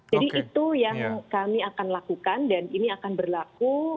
jadi itu yang kami akan lakukan dan ini akan berlaku